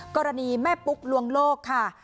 กรณีแม่ปุ๊กลวงโลกค่ะ